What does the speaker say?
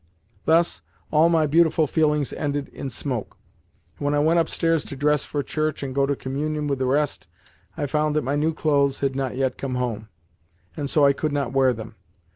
Thus all my beautiful feelings ended in smoke. When I went upstairs to dress for church and go to Communion with the rest I found that my new clothes had not yet come home, and so I could not wear them.